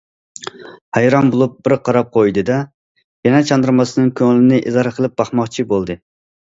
ھەيران بولۇپ بىر قاراپ قويدى- دە، يەنە چاندۇرماستىن كۆڭلىنى ئىزھار قىلىپ باقماقچى بولدى.